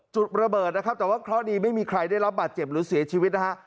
จุดระเบิดนะครับแต่ว่าเคราะห์ดีไม่มีใครได้รับบาดเจ็บหรือเสียชีวิตนะฮะ